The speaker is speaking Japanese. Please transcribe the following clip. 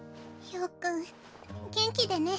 豹君元気でね。